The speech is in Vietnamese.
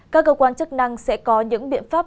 các cơ quan chức năng sẽ có những biện pháp